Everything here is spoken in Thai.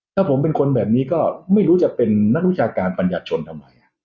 ถ้าผมเป็นคนแบบนี้ก็ไม่รู้จะเป็นนักวิชาการปัญญาชนทำไม